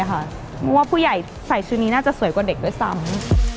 เพราะว่าผู้ใหญ่ใส่ชุดนี้น่าจะสวยกว่าเด็กด้วยซ้ำ